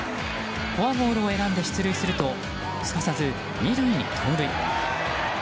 フォアボールを選んで出塁するとすかさず２塁に盗塁。